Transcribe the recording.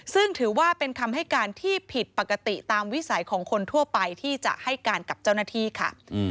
ซึ่งถือว่าเป็นคำให้การที่ผิดปกติตามวิสัยของคนทั่วไปที่จะให้การกับเจ้าหน้าที่ค่ะ